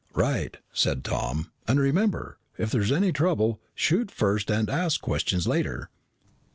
"Right," said Tom. "And remember, if there's any trouble, shoot first and ask questions later."